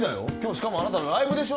しかもあなたライブでしょ？